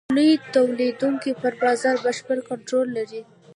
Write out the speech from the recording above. لوی تولیدوونکي پر بازار بشپړ کنټرول لري.